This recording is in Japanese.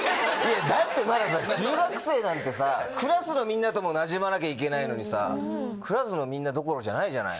だってまだ中学生なんてさクラスのみんなともなじまなきゃいけないのにさクラスのみんなどころじゃないじゃない。